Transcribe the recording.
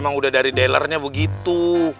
emang udah dari dealernya begitu